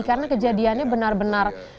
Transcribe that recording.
karena kejadiannya benar benar